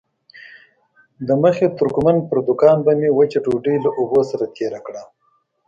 د مخي ترکمن پر دوکان به مې وچه ډوډۍ له اوبو سره تېره کړه.